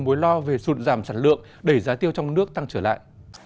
nhiều mối lo về sụn giảm sản lượng đẩy giá tiêu trong nước tăng trở lại